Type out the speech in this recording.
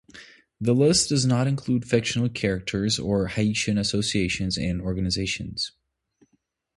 This list does not include fictional characters or Haitian associations and organizations.